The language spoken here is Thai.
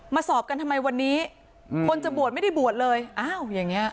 สอบกันทำไมวันนี้อืมคนจะบวชไม่ได้บวชเลยอ้าวอย่างเงี้